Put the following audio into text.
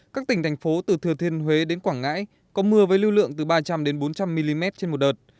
các tỉnh thành phố từ thừa thiên huế đến quảng ngãi có mưa với lưu lượng từ ba trăm linh bốn trăm linh mm trên một đợt